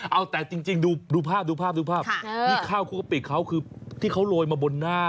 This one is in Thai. เอาแต่จริงดูภาพดูภาพดูภาพที่ข้าวคุกกะปิเขาคือที่เขาโรยมาบนหน้า